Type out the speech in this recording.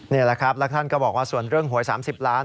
นี่แหละครับแล้วท่านก็บอกว่าส่วนเรื่องหวย๓๐ล้าน